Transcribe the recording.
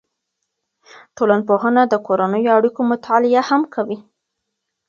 ټولنپوهنه د کورنیو اړیکو مطالعه هم کوي.